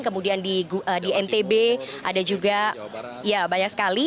kemudian di ntb ada juga ya banyak sekali